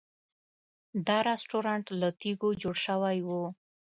دا رسټورانټ له تیږو جوړ شوی و.